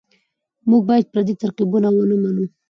موږ بايد پردي ترکيبونه ونه منو.